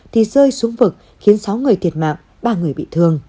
thì rơi xuống vực khiến sáu người thiệt mạng ba người bị thương